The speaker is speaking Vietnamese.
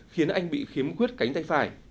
khiến anh bị khiếm quyết cánh tay phải